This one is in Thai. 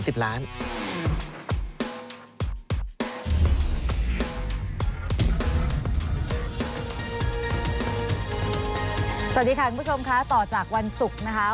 สวัสดีค่ะคุณผู้ชมค่ะต่อจากวันศุกร์นะคะ